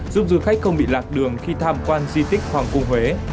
giúp du khách không bị lạc đường khi tham quan di tích hoàng cung huế